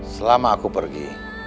selama aku pergi